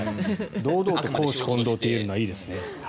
堂々と公私混同と言えるのはいいですね。